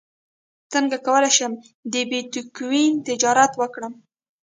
څنګه کولی شم د بیتکوین تجارت وکړم